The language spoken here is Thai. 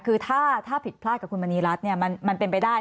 คือถ้าผิดพลาดกับคุณมณีรัฐมันเป็นไปได้